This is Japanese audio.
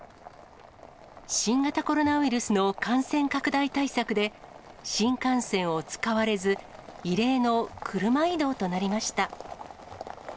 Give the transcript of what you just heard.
新型コロナウイルスの感染拡大対策で、新幹線を使われず、異例の車移動となりました。